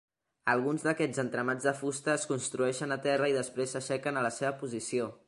Alguns d'aquests entramats de fusta es construeixen a terra i després s'aixequen a la seva posició.